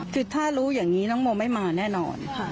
คือถ้ารู้อย่างนี้น้องโมไม่มาแน่นอน